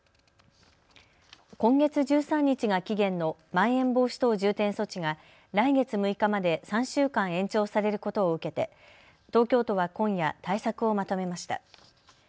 今月１３日が期限のまん延防止等重点措置が来月６日まで３週間延長されることを受けて東京都は今夜対策をまとめました。